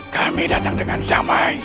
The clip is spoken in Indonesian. kami datang dengan damai